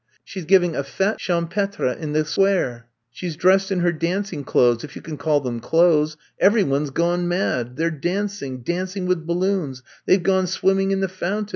She 's giving a fete champetre in the Square. She 's dressed in her danc ing clothes — if you can call them clothes. Every one 's gone mad. They 're dancing, dancing with balloons— they We gone swim ming in the fountain!